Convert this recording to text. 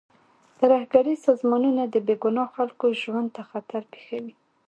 ترهګریز سازمانونه د بې ګناه خلکو ژوند ته خطر پېښوي.